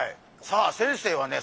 さあ先生はね